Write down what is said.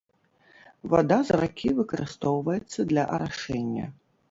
Вада з ракі выкарыстоўваецца для арашэння.